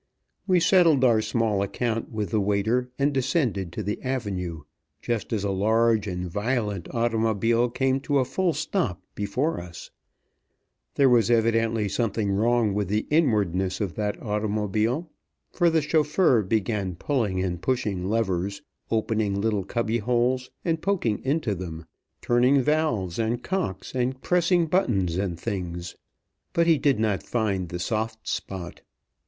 We settled our small account with the waiter, and descended to the avenue, just as a large and violent automobile came to a full stop before us. There was evidently something wrong with the inwardness of that automobile; for the chauffeur began pulling and pushing levers, opening little cubby holes, and poking into them, turning valves and cocks, and pressing buttons and things. But he did not find the soft spot.